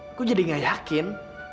aku jadi gak yakin